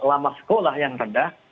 lama sekolah yang rendah